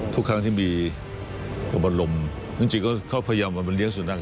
ทุกครั้งที่มีกำลังลมจริงก็พยายามมาเลี้ยงสุนัข